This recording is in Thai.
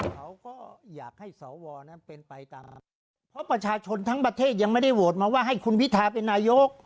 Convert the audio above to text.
เพราะประชาชนทั้งประเทศยังไม่ได้โหวตมาว่าให้คุณพิทาเป็นนายก